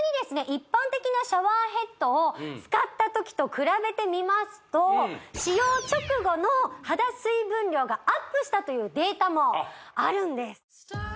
一般的なシャワーヘッドを使った時と比べてみますと使用直後の肌水分量がアップしたというデータもあるんです